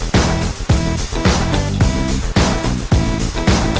สวัสดีครับ